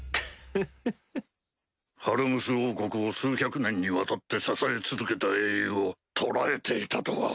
ファルムス王国を数百年にわたって支え続けた英雄を捕らえていたとは。